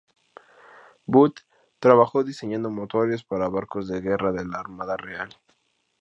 Booth trabajó diseñando motores para barcos de guerra de la Armada Real.